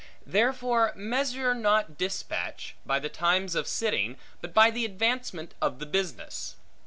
Therefore measure not dispatch, by the times of sitting, but by the advancement of the business.